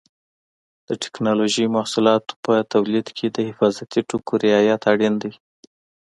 د ټېکنالوجۍ محصولاتو په تولید کې د حفاظتي ټکو رعایت اړین دی.